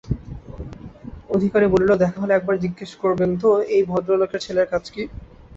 অধিকারী বলিল, দেখা হলে একবার জিজ্ঞেস করবেন তো এই কি ভদরলোকের ছেলের কাজ?